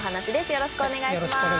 よろしくお願いします。